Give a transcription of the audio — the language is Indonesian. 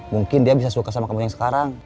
mungkin dia bisa suka sama kamu yang sekarang